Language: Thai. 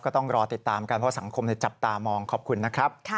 ต้องรอติดตามกันเพราะสังคมจับตามองขอบคุณนะครับ